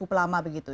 cukup lama begitu